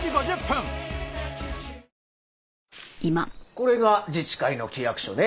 これが自治会の規約書ね。